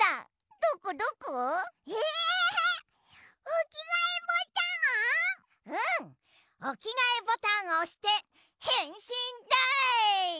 おきがえボタンをおしてへんしんだい！